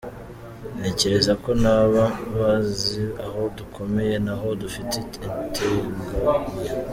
Ntekereza ko nabo bazi aho dukomeye n’aho dufite integer nke.